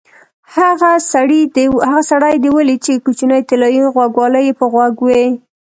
هغه سړی دې ولید چې کوچنۍ طلایي غوږوالۍ یې په غوږ وې؟